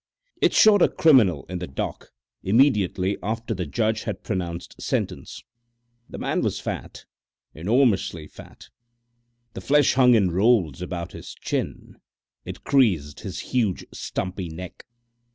It showed a criminal in the dock immediately after the judge had pronounced sentence. The man was fat enormously fat. The flesh hung in rolls about his chin; it creased his huge, stumpy neck.